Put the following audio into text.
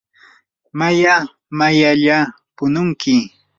maya mayalla pununki.